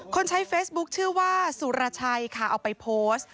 ใช้เฟซบุ๊คชื่อว่าสุรชัยค่ะเอาไปโพสต์